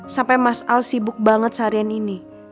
sampai mas al sibuk banget seharian ini